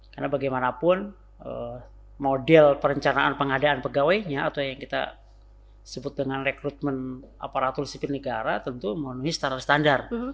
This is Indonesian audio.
karena bagaimanapun model perencanaan pengadaan pegawainya atau yang kita sebut dengan rekrutmen aparatur sipil negara tentu menuhi standar standar